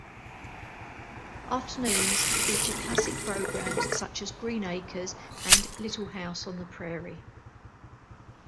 Afternoons feature classic programs such as "Green Acres" and "Little House on the Prairie".